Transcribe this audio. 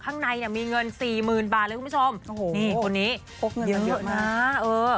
ข้างในเนี่ยมีเงินสี่หมื่นบาทเลยคุณผู้ชมโอ้โหนี่คนนี้พกเงินเยอะนะเออ